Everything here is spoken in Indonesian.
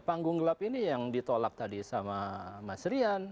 panggung gelap ini yang ditolak tadi sama mas rian